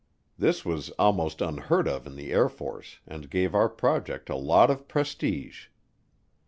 This was almost unheard of in the Air Force and gave our project a lot of prestige.